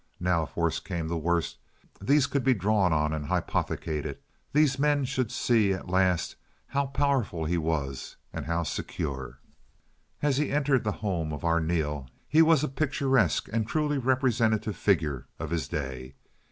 Now, if worst came to worst, these could be drawn on and hypothecated. These men should see at last how powerful he was and how secure. As he entered the home of Arneel he was a picturesque and truly representative figure of his day.